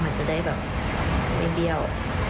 มันจะได้แบบไม่เบี้ยว